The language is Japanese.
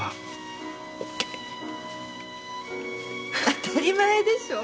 当たり前でしょ。